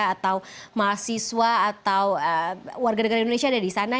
atau mahasiswa atau warga negara indonesia ada di sana